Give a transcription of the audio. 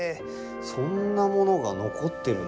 そんなものが残ってるんですか。